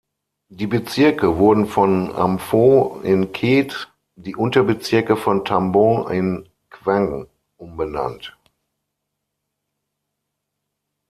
Die Bezirke wurden von "Amphoe" in "Khet", die Unterbezirke von "Tambon" in "Khwaeng" umbenannt.